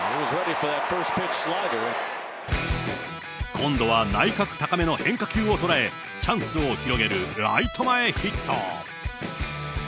今度は内角高めの変化球を捉え、チャンスを広げるライト前ヒット。